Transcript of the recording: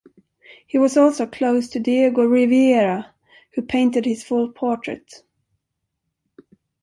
He was also close to Diego Rivera who painted his full portrait.